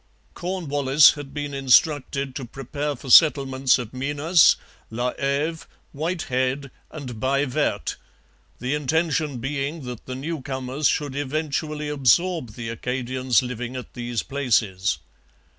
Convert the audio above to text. Cornwallis had been instructed to prepare for settlements at Minas, La Heve, Whitehead, and Baie Verte, the intention being that the newcomers should eventually absorb the Acadians living at these places.